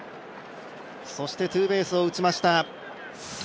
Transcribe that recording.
そしてツーベースを打ちました。